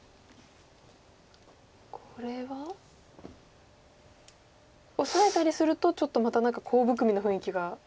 これはオサえたりするとちょっとまた何かコウ含みの雰囲気が出て。